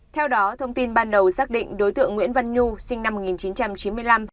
theo đó thông tin ban đầu xác định đối tượng nguyễn văn nhu sinh năm một nghìn chín trăm chín mươi năm